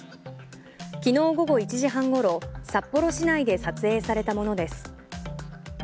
昨日午後１時半ごろ札幌市内で撮影されたものです。